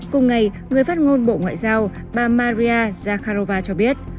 cùng ngày người phát ngôn bộ ngoại giao bà maria zakharova cho biết